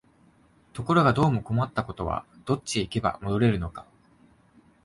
ところがどうも困ったことは、どっちへ行けば戻れるのか、